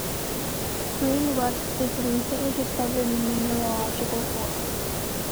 Green rust is a recently discovered mineralogical form.